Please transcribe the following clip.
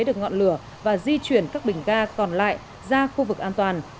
được ngọn lửa và di chuyển các bình ga còn lại ra khu vực an toàn